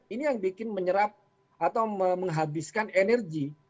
ini yang bikin menyerap atau menghabiskan energi